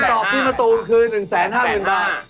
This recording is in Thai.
คำตอบพี่ประตูคือ๑แสน๕๕๐๐๐บาท